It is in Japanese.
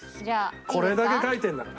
これだけ書いてるんだから。